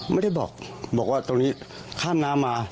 ไม่ได้บอกบอกว่าตรงนี้ข้ามน้ำมา